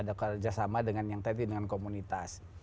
ada kerjasama dengan yang tadi dengan komunitas